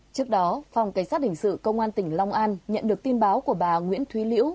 trước đó phòng cảnh sát hình sự công an tỉnh long an nhận được tin báo của bà nguyễn thúy liễu